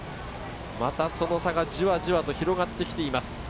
またその差がじわじわと広がってきています。